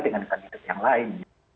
dengan kandidat yang lain